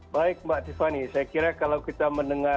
baik mbak tiffany saya kira kalau kita berhubungan dengan